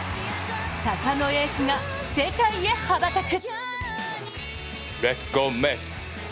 たかのエースが世界へ羽ばたく。